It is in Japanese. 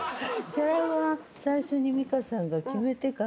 ギャラは最初に美香さんが決めてから。